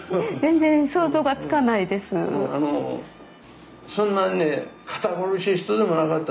あのそんなね堅苦しい人でもなかった。